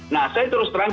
nah saya terus terang